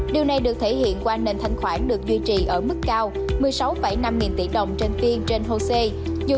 điều này được thể hiện qua nền thanh khoản được duy trì ở mức cao một mươi sáu năm tỷ đồng trên phiên trên hosea